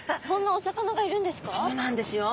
そうなんですよ。